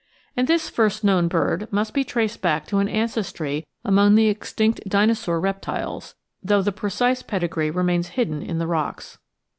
And this first known bird must be traced back to an ancestry among the extinct Dinosaiu* reptiles, though the precise pedigree remains hidden in the rocks.